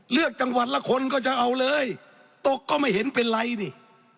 เลือกจังหวัดละคนก็จะเอาเลยตกก็ไม่เห็นเป็นไรนี่